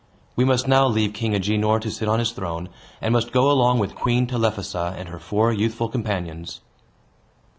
We must now leave King Agenor to sit on his throne, and must go along with Queen Telephassa, and her four youthful companions.